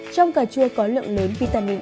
trong cà chua có lượng lớn vitamin